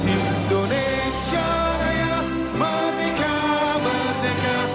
indonesia raya merdeka merdeka